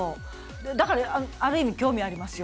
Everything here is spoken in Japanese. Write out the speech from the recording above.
だからある意味興味ありますよ。